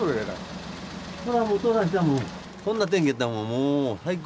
こんな天気やったらもう最高。